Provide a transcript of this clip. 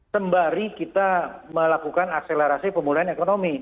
sembari kita melakukan akselerasi pemulihan ekonomi